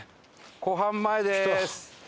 湖畔前です。